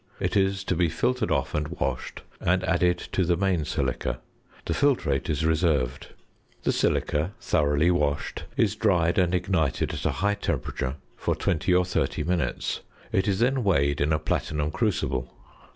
It is to be filtered off and washed and added to the main silica. The filtrate is reserved. The silica, thoroughly washed, is dried and ignited at a high temperature for twenty or thirty minutes. It is then weighed in a platinum crucible.